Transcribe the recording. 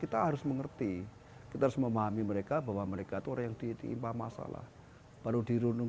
tapi ketika saya menghadapi mereka kemudian saya berdikir itu tenang